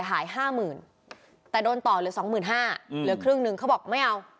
ห้ามกันครับผม